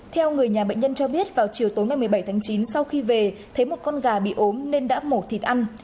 theo người nhà bệnh nhân cho biết vào chiều tối ngày một mươi bảy tháng chín sau khi về thấy một con gà bị ốm nên đã mổ thịt ăn